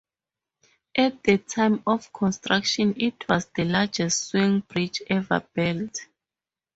At the time of construction it was the largest swing bridge ever built.